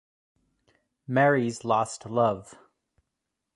Mary's lost love.